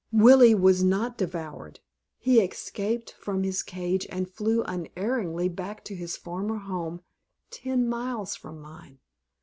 Willie was not devoured; he escaped from his cage, and flew unerringly back to his former home, ten miles from mine.